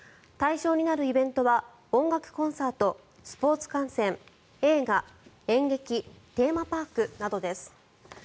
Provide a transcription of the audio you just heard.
対象になるイベントは音楽コンサート、スポーツ観戦映画、演劇テーマパークなどです。